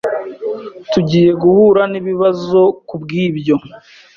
Tugiye guhura nibibazo kubwibyo.